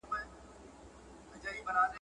باغداري ملګري راټولوي.